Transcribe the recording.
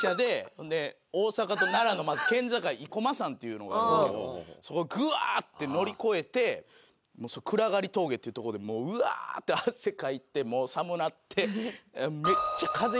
ほんで大阪と奈良のまず県境生駒山っていうのがあるんですけどそこぐわって乗り越えて暗峠っていうとこでもううわって汗かいてもう寒うなって。